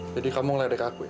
jadi kamu ngeledek aku ya